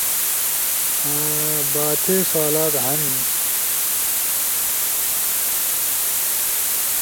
باتھے سوالات ہنی؟